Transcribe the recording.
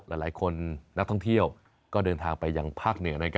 หลายคนนักท่องเที่ยวก็เดินทางไปยังภาคเหนือ